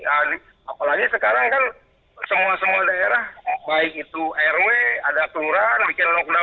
apalagi sekarang kan semua semua daerah baik itu rw ada kelurahan bikin lockdown